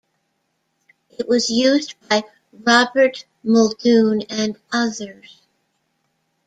It was used by Robert Muldoon and others.